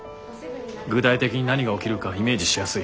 具体的に何が起きるかイメージしやすい。